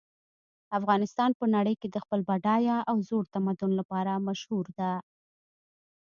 افغانستان په نړۍ کې د خپل بډایه او زوړ تمدن لپاره مشهور ده